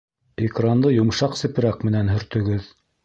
Экранды йомшаҡ сепрәк менән һөртөгөҙ